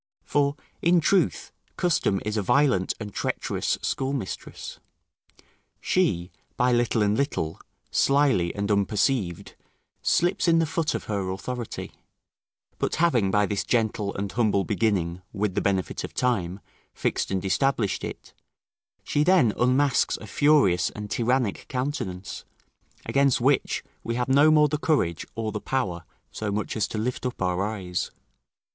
For, in truth, custom is a violent and treacherous schoolmistress. She, by little and little, slily and unperceived, slips in the foot of her authority, but having by this gentle and humble beginning, with the benefit of time, fixed and established it, she then unmasks a furious and tyrannic countenance, against which we have no more the courage or the power so much as to lift up our eyes.